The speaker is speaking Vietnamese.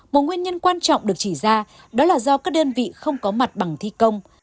một nguyên nhân quan trọng được chỉ ra đó là do các đơn vị không có mặt bằng thi công